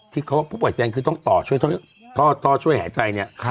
ที่เขาว่าผู้ป่วยเซ็นคือต้องต่อท่อช่วยหายใจเนี่ย